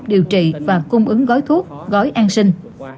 điều trị và cung ứng gói thuốc gói an sinh